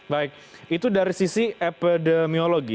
baik itu dari sisi epidemiologi